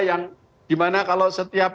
yang dimana kalau setiap